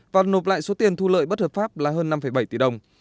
và nộp lại số tiền thu lợi bất hợp pháp là hơn năm bảy tỷ đồng